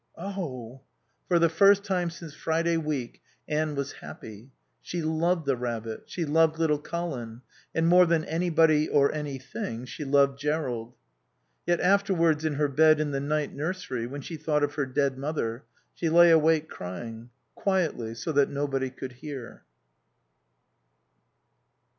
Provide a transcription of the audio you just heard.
"Oh " For the first time since Friday week Anne was happy. She loved the rabbit, she loved little Colin. And more than anybody or anything she loved Jerrold. Yet afterwards, in her bed in the night nursery, when she thought of her dead mother, she lay awake crying; quietly, so that nobody could hear.